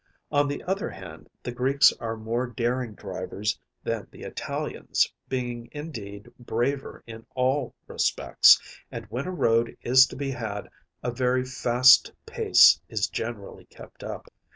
On the other hand the Greeks are more daring drivers than the Italians, being indeed braver in all respects, and, when a road is to be had, a very fast pace is generally kept up.